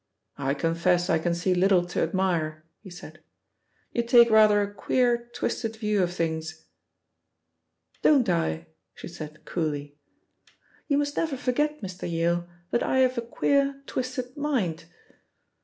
"I confess I can see little to admire," he said. "You take rather a queer, twisted view of things." "Don't I?" she said coolly. "You must never forget, Mr. Yale, that I have a queer, twisted mind."